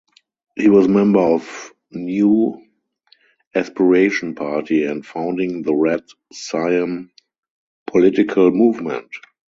He was member of New Aspiration Party and founding the Red Siam political movement.